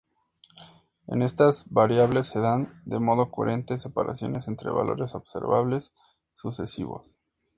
En estas variables se dan de modo coherente separaciones entre valores observables sucesivos.